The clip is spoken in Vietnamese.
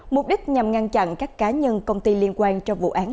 mục đích nhằm ngăn chặn các cá nhân công ty liên quan trong vụ án